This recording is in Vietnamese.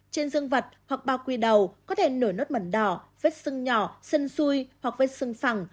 trên dương vật hoặc bao quy đầu có thể nổi nốt mẩn đỏ vết sưng nhỏ sân xuôi hoặc vết sưng phẳng